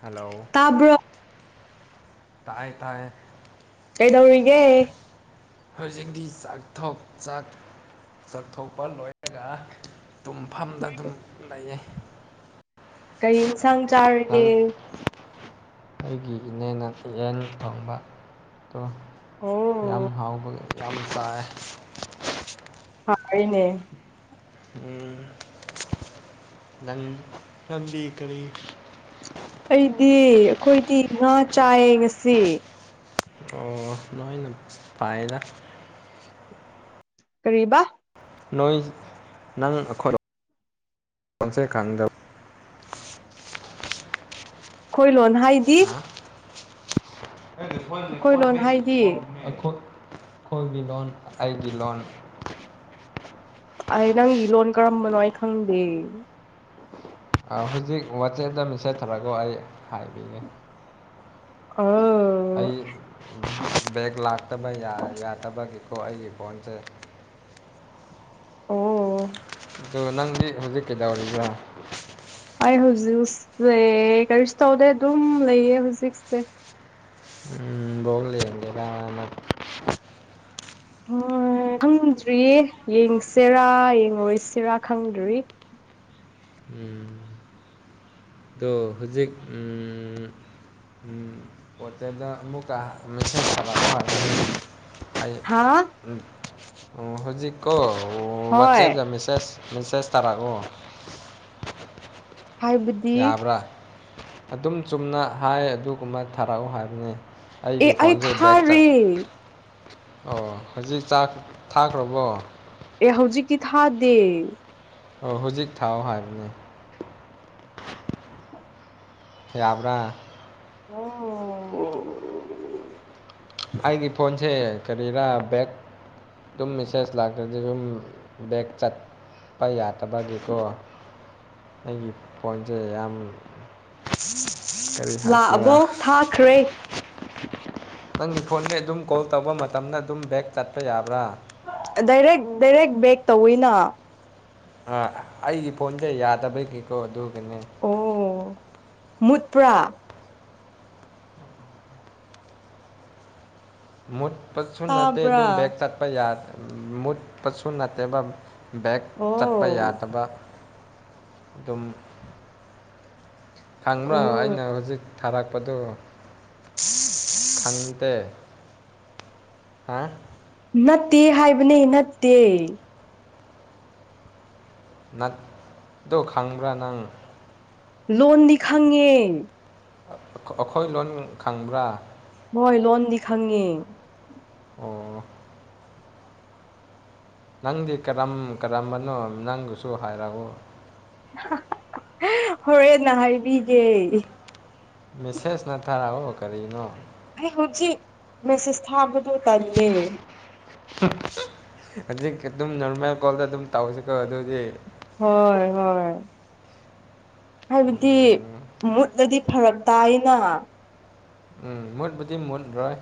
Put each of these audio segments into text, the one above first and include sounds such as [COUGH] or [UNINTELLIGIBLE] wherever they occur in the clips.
hello ꯇꯥꯕ꯭ꯔꯣ ꯇꯥꯏꯌꯦ ꯇꯥꯏꯌꯦ ꯀꯩꯗꯧꯔꯤꯒꯦ ꯍꯧꯖꯤꯛꯗꯤ ꯆꯥꯛꯊ ꯆꯥꯛ ꯆꯥꯛꯊꯣꯛꯄ ꯂꯣꯏꯔꯒ ꯇꯨꯝꯐꯝꯗ ꯑꯗꯨꯝ ꯂꯩꯌꯦ ꯀꯔꯤ ꯏꯟꯁꯥꯡ ꯆꯥꯔꯒꯦ ꯅꯪ ꯑꯩꯒꯤ ꯏꯅꯦꯅ ꯌꯦꯟ ꯊꯪꯕꯗꯣ ꯑꯣ ꯌꯥꯝ ꯍꯥꯎꯕꯒꯤ ꯌꯥꯝꯁꯥꯏ ꯍꯅꯦ ꯎꯝ ꯅꯟ ꯅ ꯀꯔꯤ ꯑꯩꯗꯤ ꯑꯩꯈꯣꯏꯗꯤ ꯉꯥ ꯆꯥꯏꯌꯦ ꯉꯁꯤ ꯑꯣ ꯅꯣꯏꯅ ꯄꯥꯏꯗ ꯀꯔꯤꯕꯥ ꯅꯣꯏ ꯅꯪ ꯑꯩꯈꯣꯏꯣꯟꯁꯩꯀꯥꯟꯗ ꯑꯩꯈꯣꯏ ꯂꯣꯟ ꯍꯥꯏꯗꯤ ꯑꯩꯈꯣꯏ ꯂꯣꯟ ꯣꯏ ꯍꯥꯏꯗꯤ ꯑꯩꯈꯣꯏꯒꯤ ꯂꯣꯟ ꯑꯩꯒꯤ ꯂꯣꯟ ꯑꯩ ꯅꯪꯒꯤ ꯂꯣꯟ ꯀꯔꯝꯕꯅꯣ ꯑꯩ ꯈꯪꯗꯦ ꯍꯧꯖꯤꯛ ꯋꯥꯆꯦꯞꯇ ꯃꯦꯁꯦꯖ ꯊꯧꯔꯒꯣ ꯑꯩ ꯍꯥꯏꯕꯤꯒꯦ ꯑꯣ ꯑꯩ ꯕꯦꯦꯛ ꯂꯥꯛꯇꯕ ꯌꯥꯗꯕꯒꯤꯀꯣ ꯑꯩꯒꯤ ꯐꯣꯟꯁꯦ ꯑꯣ ꯑꯗꯣ ꯅꯪꯗꯤ ꯍꯧꯖꯤꯛ ꯀꯩꯗꯧꯔꯤꯕ ꯑꯩ ꯍꯧꯖꯤꯛꯁꯦ ꯀꯔꯤꯁꯨ ꯇꯧꯗꯦ ꯑꯗꯨꯝ ꯂꯩꯌꯦ ꯍꯧꯖꯤꯛꯁꯦ ꯎꯝ ꯂꯦ ꯎ ꯈꯪꯗ꯭ꯔꯤꯌꯦ ꯌꯦꯡꯁꯤꯔꯥ ꯌꯦꯡꯉꯣꯏꯁꯤꯔꯥ ꯈꯪꯗ꯭ꯔꯤ ꯎꯝ ꯑꯗꯣ ꯍꯧꯖꯤꯛ ꯄꯣꯠꯇꯦꯗ ꯑꯃꯨꯛꯀ ꯃꯦꯁꯦ ꯊꯔꯛꯄ ꯑꯩ [INAUDIBLE] ꯍꯥꯥ ꯍꯧꯖꯤꯛꯀꯣ ꯍꯣꯏ ꯋꯥꯆꯦꯞꯇ ꯃꯦꯁꯦꯁ ꯃꯦꯁꯦꯁ ꯊꯥꯔꯛꯑꯣ ꯍꯥꯏꯕ ꯌꯥꯕ꯭ꯔꯥ ꯑꯗꯨꯝ ꯆꯨꯝꯅ ꯍꯥꯏ ꯑꯗꯨꯒꯨꯝꯕ ꯊꯥꯔꯛꯎ ꯍꯥꯏꯕꯅꯦ ꯑꯦ ꯑꯩꯒꯤ ꯑꯩ ꯐꯣꯟꯁꯦ ꯕꯦꯛ ꯆꯠ ꯊꯥꯔꯦ ꯑꯣ ꯍꯧꯖꯤꯛ ꯊꯥꯈ꯭ꯔꯕꯣ ꯑꯦ ꯍꯧꯖꯤꯛꯀꯤ ꯊꯥꯗꯦ ꯑꯣ ꯍꯧꯖꯤꯛ ꯊꯥꯎ ꯍꯥꯏꯕꯅꯦ ꯌꯥꯕ꯭ꯔꯥ ꯑꯣ ꯑꯩꯒꯤ ꯐꯣꯟꯁꯦ ꯀꯔꯤꯔꯥ ꯕꯦꯛ ꯑꯗꯨꯝ ꯃꯦꯁꯦꯁ ꯂꯥꯛꯇ꯭ꯔꯗꯤ ꯁꯨꯝ ꯕꯦꯛ ꯆꯠ ꯄ ꯌꯥꯗꯕꯒꯤꯀꯣ ꯑꯩꯒꯤ ꯐꯣꯟꯁꯦ ꯌꯥꯝ ꯀꯔꯤ ꯍꯥꯏꯁꯤꯔꯥ ꯂꯥꯛꯑꯕꯣ ꯊꯥꯈ꯭ꯔꯦ ꯅꯪꯒꯤ ꯐꯣꯟꯗꯤ ꯑꯗꯨꯝ ꯀꯣꯜ ꯇꯧꯕ ꯃꯇꯝꯗ ꯑꯗꯨꯝ ꯕꯦꯛ ꯆꯠꯄ ꯌꯥꯕ꯭ꯔꯥ ꯗꯥꯏꯔꯦꯛ ꯗꯥꯏꯔꯦꯛ ꯕꯦꯛ ꯇꯧꯋꯤꯅ ꯑꯩꯒꯤ ꯐꯣꯟꯁꯦ ꯌꯥꯗꯕꯩꯒꯤꯀꯣ ꯑꯗꯨꯒꯤꯅꯦ ꯑꯣ ꯃꯨꯠꯄ꯭ꯔꯥ ꯃꯨꯠꯄꯁꯨ ꯅꯠꯇꯦ ꯇꯥꯕ꯭ꯔꯥ ꯑꯗꯨꯝ ꯕꯦꯛ ꯆꯠꯄ ꯃꯨꯠꯄꯁꯨ ꯅꯠꯇꯦꯕ ꯕꯦꯛꯛ ꯆꯠꯄ ꯑꯣ ꯌꯥꯗꯕ ꯑꯗꯨꯝ ꯈꯪꯕ꯭ꯔꯣ ꯑꯣ ꯑꯩꯅ ꯍꯧꯖꯤꯛ ꯊꯥꯔꯛꯄꯗꯨ ꯈꯪꯗꯦ ꯍꯥꯥ ꯅꯠꯇꯦ ꯍꯥꯏꯕꯅꯤ ꯅꯠꯇꯦ ꯅꯠꯇꯣ ꯈꯪꯕ꯭ꯔꯥ ꯅꯪ ꯂꯣꯟꯗꯤ ꯈꯪꯉꯦ ꯑꯩꯈꯣꯏ ꯂꯣꯟ ꯈꯪꯕ꯭ꯔꯥ ꯍꯣꯏ ꯂꯣꯟꯗꯤ ꯈꯪꯉꯦ ꯑꯣ ꯅꯪꯗꯤ ꯀꯔꯝ ꯀꯔꯝꯕꯅꯣ ꯅꯪꯗꯨꯁꯨ ꯍꯥꯏꯔꯛꯎ ꯍꯣꯔꯦꯟꯅ ꯍꯥꯏꯕꯤꯒꯦ ꯃꯦꯁꯦꯁꯅ ꯊꯥꯔꯛꯑꯣ ꯀꯔꯤꯅꯣ ꯑꯩ ꯍꯧꯖꯤꯛ ꯃꯦꯁꯦꯁ ꯊꯥꯕꯗ ꯇꯜꯂꯦ ꯑꯗꯨꯒꯤꯗꯨꯝ ꯅꯣꯔꯃꯦꯜ ꯀꯣꯜꯗ ꯑꯗꯨꯝ ꯇꯧꯁꯤꯀꯣ ꯑꯗꯨꯗꯤ ꯍꯣꯏ ꯍꯣꯏ ꯍꯥꯏꯕꯗꯤ ꯎꯝ ꯃꯨꯠꯂꯗꯤ ꯐꯔꯛ ꯇꯥꯏꯅ ꯎ ꯃꯨꯠꯄꯨꯗꯤ ꯃꯨꯠ ꯂꯣꯏ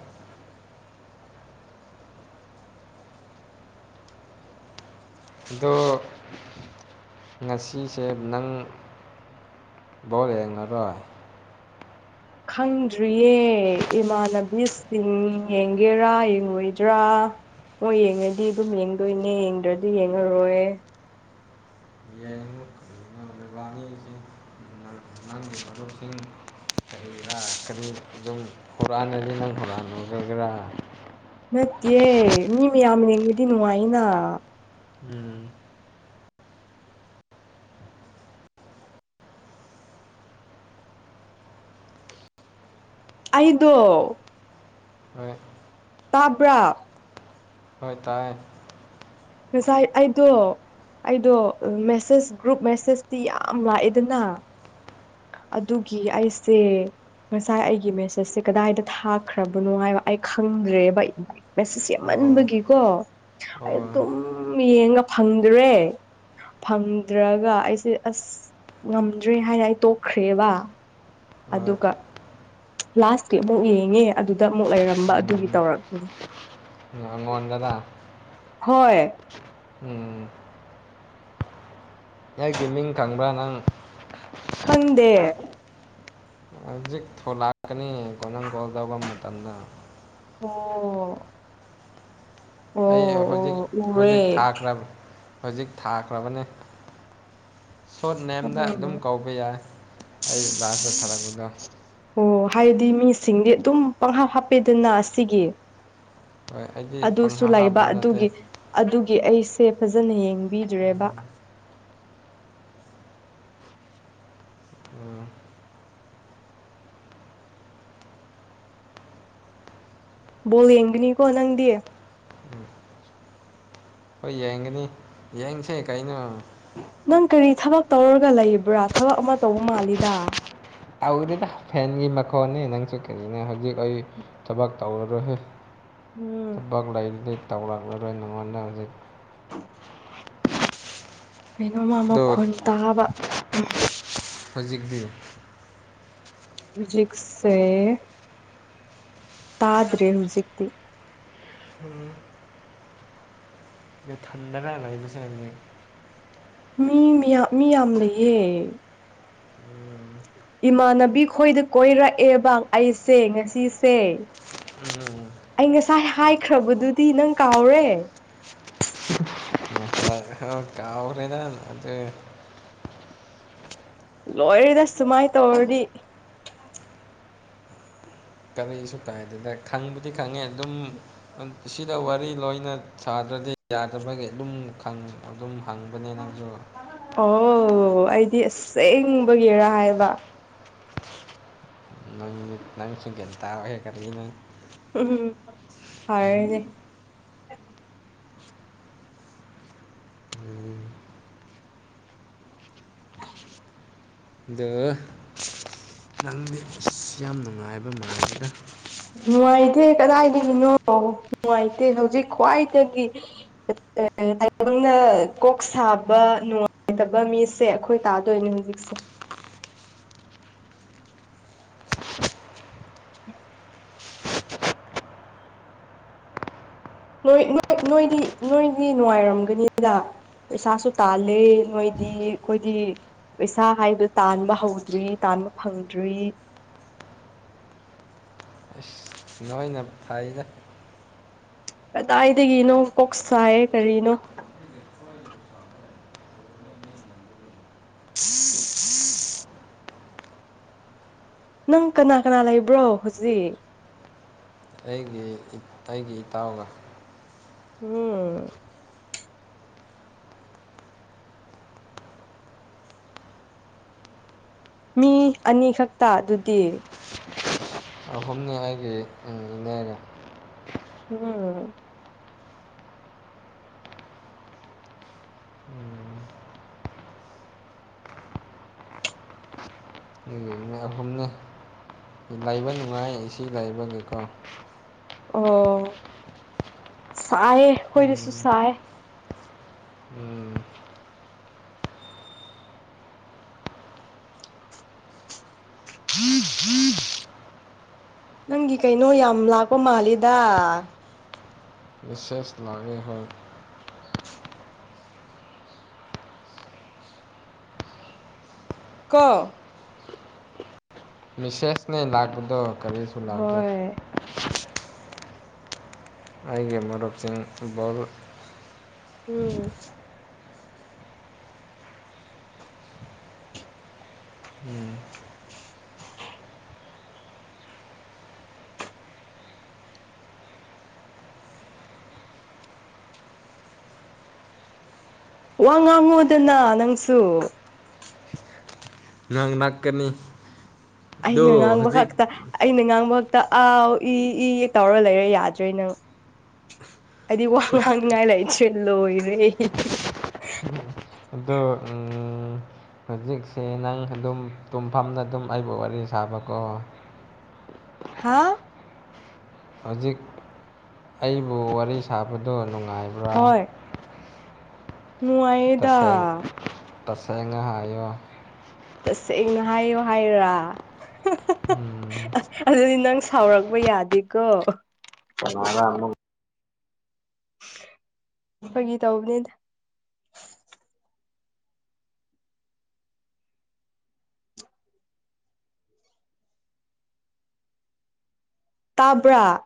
ꯑꯗꯣ ꯉꯁꯤꯁꯦ ꯅꯪ ꯕꯣꯜ ꯌꯦꯡꯉꯔꯣꯏ ꯈꯪꯗ꯭ꯔꯤꯌꯦ ꯏꯃꯥꯟꯅꯕꯤꯁꯤꯡ ꯌꯦꯡꯒꯦꯔꯥ ꯌꯦꯡꯉꯣꯏꯗ꯭ꯔꯥ ꯃꯣꯏ ꯌꯦꯡꯉꯗꯤ ꯑꯗꯨꯝ ꯌꯦꯡꯗꯣꯏꯅꯦ ꯌꯦꯡꯗ꯭ꯔꯗꯤ ꯌꯦꯡꯉꯔꯣꯏ ꯌꯦꯡꯉꯣꯏ [UNINTELLIGIBLE] ꯎꯝ [UNINTELLIGIBLE] [UNINTELLIGIBLE] ꯅꯠꯇꯦ ꯃꯤ ꯃꯌꯥꯝ ꯌꯦꯡꯕꯗꯤ ꯅꯨꯡꯉꯥꯏꯅ ꯎꯝ ꯑꯩꯗꯣ ꯍꯣꯏ ꯇꯥꯕ꯭ꯔꯥ ꯍꯣꯏ ꯇꯥꯢ ꯉꯁꯥꯏ ꯑꯩꯗꯣ ꯑꯩꯗꯣ ꯃꯦꯁꯦꯁ ꯒ꯭ꯔꯨꯞ ꯃꯦꯁꯦꯁꯇꯤ ꯌꯥꯝ ꯂꯥꯛꯢꯗꯅ ꯑꯗꯨꯒꯤ ꯑꯩꯁꯦ ꯉꯁꯥꯏ ꯑꯩꯒꯤ ꯃꯦꯁꯦꯁꯁꯦ ꯀꯗꯥꯏꯗ ꯊꯥꯈ꯭ꯔꯕꯅꯣ ꯍꯥꯏꯕ ꯑꯩ ꯈꯪꯗ꯭ꯔꯦꯕ ꯑꯩ ꯃꯦꯁꯦꯁ ꯑꯣ ꯌꯥꯝꯃꯟꯕꯒꯤꯀꯣ ꯑꯩ ꯑꯣ ꯑꯗꯨꯝ ꯌꯦꯡꯉ ꯐꯪꯗ꯭ꯔꯦ ꯐꯪꯗ꯭ꯔꯒ ꯑꯩꯁꯦ ꯑꯁ ꯉꯝꯗ꯭ꯔꯦ ꯍꯥꯏꯅ ꯑꯩ ꯇꯣꯛꯈ꯭ꯔꯦꯕ ꯍꯣꯏ ꯑꯗꯨꯒ ꯂꯥꯁꯀꯤ ꯑꯃꯨꯛ ꯌꯦꯡꯉꯦ ꯑꯗꯨꯗ ꯑꯃꯨꯛ ꯂꯩꯔꯝꯕ ꯎꯝ ꯑꯗꯨꯒꯤ ꯇꯧꯔꯛꯅꯤ ꯃꯣꯟꯒꯗ ꯍꯣꯏ ꯎꯝ ꯑꯩꯒꯤ ꯃꯤꯡ ꯈꯪꯕ꯭ꯔꯥ ꯅꯪ ꯈꯪꯗꯦ ꯍꯧꯖꯤꯛ ꯊꯣꯛ ꯂꯥꯛꯀꯅꯤꯀꯣ ꯅꯪ ꯀꯣꯜ ꯇꯧꯕ ꯃꯇꯝꯗ ꯑꯣ ꯑꯣ ꯑꯩ ꯍꯧꯖꯤꯛ ꯑꯣ ꯎꯔꯦ ꯍꯧꯖꯤꯛ ꯊꯥꯈ꯭ꯔꯕ ꯍꯧꯖꯤꯛ ꯊꯥꯈ꯭ꯔꯕꯅꯦ ꯁꯣꯔꯠ ꯅꯦꯝꯗ ꯑꯗꯨꯝ ꯀꯧꯕ ꯕ ꯌꯥꯏ ꯑꯩ ꯂꯥꯁꯇ ꯁꯔꯒꯂ ꯑꯣ ꯍꯥꯏꯗꯤ ꯃꯤꯁꯤꯡꯗꯤ ꯑꯗꯨꯝ ꯄꯪꯍꯥꯞ ꯍꯥꯞꯄꯦꯗꯅ ꯑꯁꯤꯒꯤ ꯍꯣꯏ ꯑꯩꯗꯤ ꯑꯗꯨꯁꯨ ꯄꯪꯍꯥ ꯂꯩꯕ ꯍꯥꯞꯄ ꯅꯠꯇꯦ ꯑꯗꯨꯒꯤ ꯑꯗꯨꯒꯤ ꯑꯩꯁꯦ ꯐꯖꯅ ꯌꯦꯡꯕꯤꯗ꯭ꯔꯦꯕ ꯑꯝ ꯕꯣꯜ ꯌꯦꯡꯒꯅꯤꯀꯣ ꯅꯪꯗꯤ ꯎꯝ ꯍꯣꯏ ꯌꯦꯡꯒꯅꯤ ꯌꯦꯡꯁꯦ ꯀꯩꯅꯣ ꯅꯪ ꯀꯔꯤ ꯊꯕꯛ ꯇꯧꯔꯒ ꯂꯩꯕ꯭ꯔꯥ ꯊꯕꯛ ꯑꯃ ꯇꯧꯕ ꯃꯥꯜꯂꯤꯗ ꯇꯧꯗꯦꯗ ꯐꯦꯟꯒꯤ ꯃꯈꯣꯟꯅꯦ ꯅꯪꯁꯨ ꯀꯔꯤꯅꯣ ꯍꯧꯖꯤꯛ ꯑꯩ ꯊꯕꯛ ꯇꯧꯔꯔꯣꯏꯣꯏ ꯎꯝ ꯊꯕꯛ ꯂꯩꯗꯒꯤ ꯇꯧꯔꯛꯂꯔꯣꯏ ꯅꯉꯣꯟꯗ ꯍꯧꯖꯤꯛ ꯀꯩꯅꯣꯝꯃ ꯑꯗꯣ ꯃꯈꯣꯟ ꯇꯥꯕ ꯍꯧꯖꯤꯛꯇꯤ ꯍꯧꯖꯤꯛꯁꯦ ꯇꯥꯗ꯭ꯔꯦ ꯍꯧꯖꯤꯛꯇꯤ ꯎꯝ [UNINTELLIGIBLE] ꯃꯤ ꯃꯌꯥ ꯃꯤ ꯌꯥꯝ ꯂꯩꯌꯦ ꯎꯝ ꯏꯃꯥꯟꯅꯕꯤ ꯈꯣꯏꯗ ꯀꯣꯏꯔꯛꯑꯦꯕꯪ ꯑꯩꯁꯦ ꯉꯁꯤꯁꯦ ꯎꯝ ꯑꯩ ꯉꯁꯥꯏ ꯍꯥꯏꯈ꯭ꯔꯕꯗꯨꯗꯤ ꯅꯪ ꯀꯥꯎꯔꯦ ꯍ ꯀꯥꯎ꯭ꯔꯦꯗ ꯑꯗꯨꯗ ꯂꯣꯏꯔꯤꯗ ꯁꯨꯃꯥꯏ ꯇꯧꯔꯤ ꯀꯔꯤꯁꯨ ꯀꯥꯏꯗꯅ ꯈꯪꯕꯨꯗꯤ ꯈꯪꯉꯦ ꯑꯗꯨꯝ ꯁꯤꯗ ꯋꯥꯔꯤ ꯂꯣꯏꯅ ꯁꯥꯗ꯭ꯔꯗꯤ ꯌꯥꯗꯕꯒꯤ ꯑꯗꯨꯝ ꯑꯗꯨꯝ ꯍꯪꯕꯅꯦ ꯅꯪꯁꯨ ꯑꯣ ꯑꯩꯗꯤ ꯑꯁꯦꯡꯕꯒꯤꯔ ꯍꯥꯏꯕ [UNINTELLIGIBLE] ꯎꯝ ꯎꯝ ꯐꯔꯅꯦ ꯑꯗ ꯅꯪ ꯌꯥꯝ ꯅꯨꯡꯉꯥꯏꯕ ꯃꯁꯤꯔ ꯅꯨꯡꯉꯥꯏꯇꯦ ꯀꯗꯥꯏꯗꯒꯤꯅꯣ ꯅꯨꯡꯉꯥꯏꯇꯦ ꯍꯧꯖꯤꯛ ꯈ꯭ꯋꯥꯏꯗꯒꯤ ꯇꯥꯏꯕꯪꯅ ꯀꯣꯛ ꯁꯥꯕ ꯅꯨꯡꯉꯥꯏꯇꯕ ꯃꯤ ꯁꯦ ꯑꯩꯈꯣꯏ ꯇꯥꯗꯣꯏꯅꯦ ꯍꯧꯖꯤꯛꯁꯦ ꯅꯣꯏ ꯅꯣꯏ ꯅꯣꯏꯗꯤ ꯅꯣꯏꯗꯤ ꯅꯨꯡꯉꯥꯏꯔꯝꯒꯅꯤꯗ ꯄꯩꯁꯁꯨ ꯇꯥꯂꯦ ꯅꯣꯏꯗꯤ ꯑꯩꯈꯣꯏꯗꯤ ꯄꯩꯁꯥ ꯍꯥꯏꯕꯗꯨ ꯇꯥꯟꯕ ꯍꯧꯗ꯭ꯔꯤ ꯇꯥꯟꯕ ꯐꯪꯗ꯭ꯔꯤ ꯑꯁ ꯅꯣꯏꯅ ꯐꯥꯏꯅ ꯀꯗꯥꯏꯗꯒꯤꯅꯣ ꯀꯣꯛ ꯁꯥꯏꯌꯦ ꯀꯔꯤꯅꯣ [INAUDIBLE] ꯅꯪ ꯀꯅꯥ ꯀꯅꯥ ꯂꯩꯕ꯭ꯔꯣ ꯍꯧꯖꯤꯛ ꯑꯩꯒꯤ ꯑꯩꯒꯤ ꯏꯇꯥꯎꯒ ꯎꯝ ꯃꯤ ꯑꯅꯤ ꯈꯛꯇ ꯑꯗꯨꯗꯤ ꯑꯍꯨꯝꯅꯦ ꯑꯩꯒꯤꯅꯦꯔꯦ ꯎꯝ ꯑꯗꯨꯒꯤꯅꯤ ꯑꯍꯨꯝꯅꯤ ꯂꯩꯥꯏꯕ ꯅꯨꯡꯉꯥꯏ ꯏ ꯂꯩꯥꯏꯕꯒꯤꯀꯣ ꯑꯣ ꯁꯥꯏ ꯀꯣꯏꯗꯁꯨ ꯁꯥꯏ ꯅꯪꯒꯤ ꯀꯩꯅꯣ ꯌꯥꯝ ꯂꯥꯛꯄ ꯃꯥꯜꯂꯤꯗ ꯁꯦꯁ ꯂꯥꯛꯦ ꯍꯣꯏ ꯀ ꯃꯤꯁꯦꯁꯅꯦ ꯂꯥꯥꯛꯄꯗꯣ ꯀꯔꯤꯁ ꯍꯣꯏ ꯑꯩꯒꯤ ꯃꯔꯨꯞꯁꯤꯡ ꯕꯣꯜ ꯎꯝ ꯎꯝ ꯇꯥꯗꯔꯦ [INAUDIBLE] ꯋꯥꯉꯉꯨꯗꯅ ꯅꯪꯁꯨ ꯅꯪ ꯅꯛꯀꯅꯤ ꯑꯩꯅ ꯉꯥꯡꯕ ꯈꯛꯇ ꯑꯩꯅ ꯉꯥꯡꯕ ꯈꯛꯇ ꯑꯥꯎ ꯏ ꯏ ꯇꯧꯔ ꯂꯩꯔ ꯌꯥꯗ꯭ꯔꯦ ꯅꯪ ꯍꯥꯏꯗꯤ ꯋꯥ ꯉꯥꯡꯅꯤꯡꯉꯥꯏ ꯂꯥꯏꯁꯨꯦ ꯂꯣꯏꯔꯦ ꯑꯗꯣ ꯎꯝ ꯍꯧꯖꯤꯛꯁꯦ ꯅꯪ ꯑꯗꯨꯝ ꯇꯨꯝꯐꯝꯅ ꯑꯗꯨꯝ ꯑꯩꯕꯨ ꯋꯥꯔꯤ ꯁꯥꯕꯀꯣ ꯍꯥꯥ ꯍꯧꯖꯤꯛ ꯑꯩꯕꯨ ꯋꯥꯔꯤ ꯁꯥꯕꯗꯣ ꯅꯨꯡꯉꯥꯏꯕ ꯍꯣꯏ ꯅꯨꯡꯉꯥꯏꯌꯦꯗ ꯇꯁꯦꯡ ꯇꯁꯦꯡꯅ ꯍꯥꯏꯣ ꯇꯁꯦꯡꯅ ꯍꯥꯏꯌꯣ ꯍꯥꯏꯔꯥ ꯎꯝ, ꯑꯁ ꯑꯗꯨꯗꯤ ꯅꯪ ꯁꯥꯎꯔꯛꯄ ꯌꯥꯗꯦꯀꯣ [INAUDIBLE] ꯐꯒꯤ ꯇꯅꯤ ꯇꯥꯕ꯭ꯔꯥ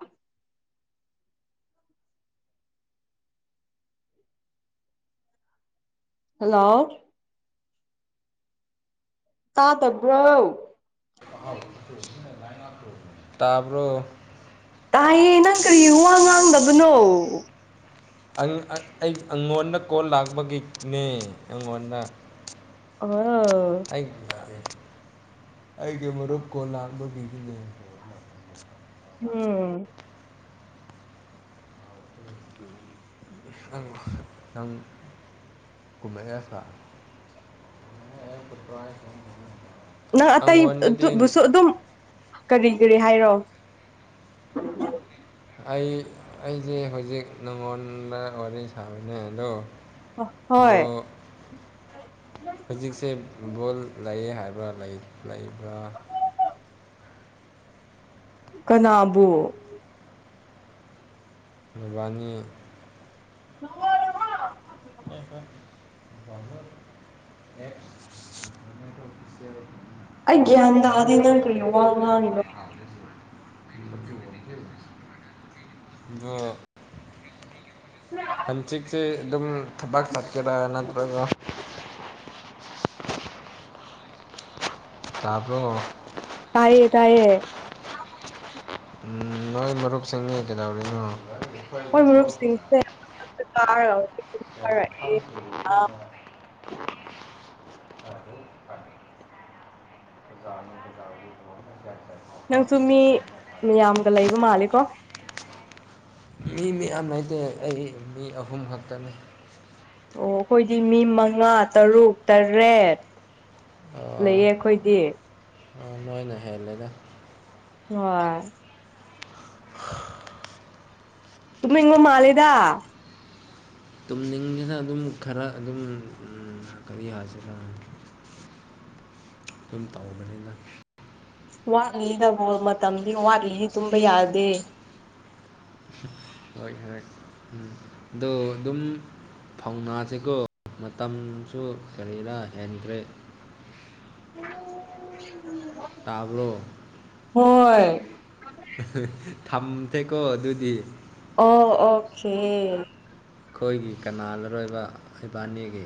ꯍꯜꯂꯣ ꯇꯥꯗꯔꯕ ꯇꯥꯕ꯭ꯔꯣ ꯇꯥꯏꯌꯦ ꯅꯪ ꯀꯔꯤ ꯋꯥ ꯉꯥꯡꯗꯕꯅꯣ ꯑꯩ ꯑꯩꯉꯣꯟꯗ ꯀꯣꯜ ꯂꯥꯛꯄꯒꯤꯅꯦ ꯑꯩꯉꯣꯟꯗ ꯑꯥ ꯑꯩ ꯑꯩꯒꯤ ꯃꯔꯨꯞ ꯀꯣ ꯂꯥꯡꯥꯟꯕ ꯃꯤꯒꯤꯅꯤ ꯎꯝ ꯑꯪ ꯀꯨꯝꯃꯦꯩ ꯁꯥꯇ ꯅꯪ ꯑꯇꯩ ꯑꯗꯨꯕꯨꯁꯨ ꯑꯗꯨꯝ ꯀꯔꯤ ꯀꯔꯤ ꯍꯥꯏꯔꯣ ꯑꯩ ꯑꯩꯁꯦ ꯍꯧꯖꯤꯛ ꯅꯉꯣꯟꯗ ꯋꯥꯔꯤ ꯁꯥꯕꯅꯦ ꯑꯗꯣ ꯍꯣꯏ ꯑꯗꯣ ꯍꯧꯖꯤꯛꯁꯦ ꯕꯣꯜ ꯂꯩꯌꯦ ꯍꯥꯏꯕ꯭ꯔꯥ ꯂꯩꯕ꯭ꯔꯥ ꯀꯅꯥꯕꯨ ꯃꯕꯥꯅꯤ ꯅꯉ ꯑꯩꯣꯏ ꯑꯦ ꯑ ꯑꯩ ꯒ꯭ꯌꯥꯟ ꯇꯥꯑꯗꯦ ꯅꯪ ꯀꯔꯤ ꯋꯥ ꯉꯥꯡꯉꯤꯅꯣ ꯑꯗꯨꯒ ꯍꯟꯆꯤꯛꯁꯤꯦ ꯑꯗꯨꯝ ꯊꯕꯥꯛ ꯆꯠꯀꯦꯔꯥ ꯅꯠꯇ꯭ꯔꯒ ꯇꯄ꯭ꯔꯣ ꯇꯥꯏꯌꯦ ꯇꯥꯏꯌꯦ ꯎ ꯅꯣꯏ ꯃꯔꯨꯞ ꯁꯪꯉ ꯀꯗꯧꯔꯤꯅꯣ ꯃꯣꯏ ꯃꯔꯨꯞꯁꯤꯡꯁꯦꯔ [INAUDIBLE] ꯇ ꯇꯦ ꯅꯪꯁꯨ ꯃꯤ ꯃꯌꯥꯝꯒ ꯂꯩꯕ ꯃꯥꯜꯂꯦꯀꯣ ꯃꯤ ꯃꯤ ꯌꯥꯝ ꯂꯩꯇꯦ ꯑꯩ ꯃꯤ ꯑꯍꯨꯝ ꯈꯛꯇꯅꯤ ꯑꯣ ꯑꯩꯈꯣꯏꯗꯤ ꯃꯤ ꯃꯉꯥ ꯇꯔꯨꯛ ꯇꯔꯦꯠ ꯂꯩꯌꯦ ꯑꯩꯈꯣꯏꯗꯤ ꯂꯣꯏꯅ ꯍꯦꯜꯂꯦꯗ ꯑꯣ ꯇꯨꯝꯃ ꯍꯪ ꯃꯥꯜꯗ ꯨꯡꯁꯤꯅ ꯑꯗꯨꯝ ꯈꯔ ꯑꯗꯨꯝ ꯀꯔꯤ ꯌꯥꯁꯤ ꯈ ꯑꯗꯨꯝ ꯇꯧꯕꯅꯤꯅ ꯋꯥꯠꯂꯤ ꯅꯕꯣ ꯃꯇꯝꯗꯤ ꯋꯥꯠꯂꯤꯗꯤ ꯇꯨꯝꯕ ꯌꯥꯗꯦ ꯍꯣꯏ ꯍꯣꯏ ꯎꯝ ꯑꯗꯣ ꯑꯗꯨꯝ ꯐꯧꯅꯥꯁꯤꯕꯨꯣ ꯃꯇꯝꯁꯨ ꯀꯔꯤꯗ ꯍꯦꯟꯈ꯭ꯔꯦ ꯑ ꯇꯥꯕ꯭ꯂꯣ ꯍꯣꯏ ꯊꯝꯊꯦꯀꯣ ꯑꯗꯨꯗꯤ ꯑ ꯑꯣ ꯑꯩꯈꯣꯏꯒꯤ ꯀꯅꯥ ꯂꯔꯣꯏꯕ ꯏꯕꯥꯅꯤꯒꯤ